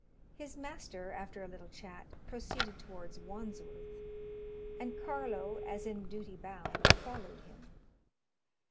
His master, after a little chat, proceeded towards Wandsworth, and Carlo, as in duty bound, followed him.